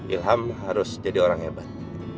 ilham harus jadi orang hebat